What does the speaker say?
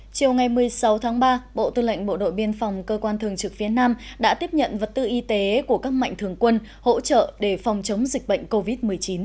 chiều ngày một mươi sáu tháng ba bộ tư lệnh bộ đội biên phòng cơ quan thường trực phía nam đã tiếp nhận vật tư y tế của các mạnh thường quân hỗ trợ để phòng chống dịch bệnh covid một mươi chín